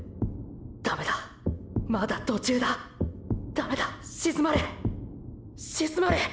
⁉ダメだまだ途中だダメだ鎮まれ鎮まれ！！